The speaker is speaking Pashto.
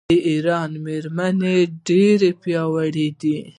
د ایران میرمنې ډیرې پیاوړې دي.